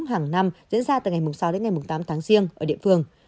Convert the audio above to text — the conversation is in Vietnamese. hàng năm diễn ra từ ngày sáu đến ngày tám tháng riêng ở địa phương